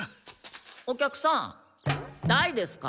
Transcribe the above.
お客さん大ですか？